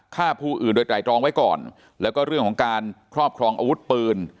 ฆ่าผู้อื่นโดยไตรรองไว้ก่อนแล้วก็เรื่องของการครอบครองอาวุธปืน